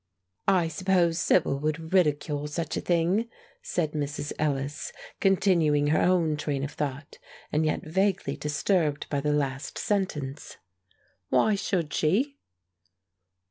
"I suppose Sibyl would ridicule such a thing," said Mrs. Ellis, continuing her own train of thought, and yet vaguely disturbed by the last sentence. "Why should she?"